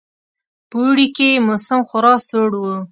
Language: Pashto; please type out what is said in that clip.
په اوړي کې یې موسم خورا سوړ وو.